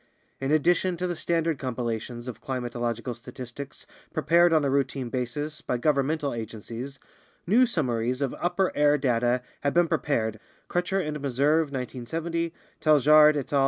In addition to the standard compilations of climatological statistics prepared on a routine basis by governmental agencies, new summaries of upper air data have been prepared (Crutcher and Meserve, 1970; Taljaard et al.